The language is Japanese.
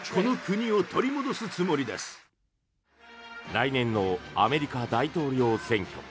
来年のアメリカ大統領選挙。